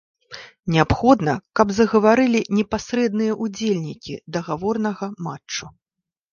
Неабходна, каб загаварылі непасрэдныя ўдзельнікі дагаворнага матчу.